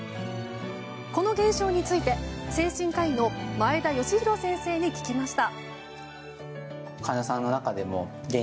この現象について、精神科医の前田佳宏先生に聞きました。